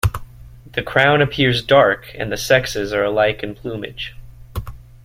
The crown appears dark and the sexes are alike in plumage.